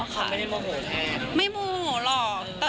ค่ะไม่ได้โมโหแทน